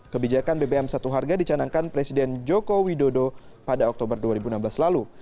kebijakan bbm satu harga dicanangkan presiden joko widodo pada oktober dua ribu enam belas lalu